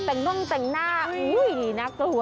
แต่งต้นแต่งหน้าอุ๊ยน่ากลัวสุดตะยอง